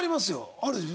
あるでしょ？